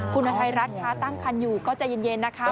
คุณไทยรัฐค่ะตั้งคันอยู่ก็ใจเย็นนะคะ